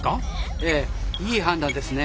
ええいい判断ですね。